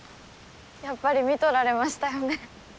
やっぱり見とられましたよね。